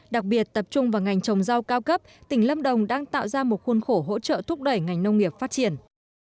đặc biệt tập trung vào ngành trồng rau cao cấp tỉnh lâm đồng đang tạo ra một khuôn khổ hỗ trợ thúc đẩy ngành nông nghiệp phát triển